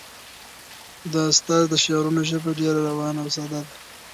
د استاد د شعرونو ژبه ډېره روانه او ساده ده.